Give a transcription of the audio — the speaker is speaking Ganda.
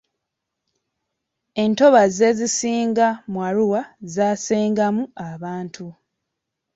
Entobazi ezisinga mu Arua zaasengemu abantu.